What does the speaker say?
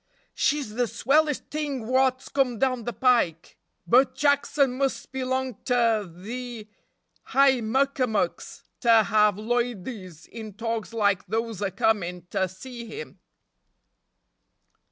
"She's de swellest t'ing wots come down de pike! Bert Jackson must belong ter de high mucker mucks ter have loidies in togs like dose a comin' ter see him!"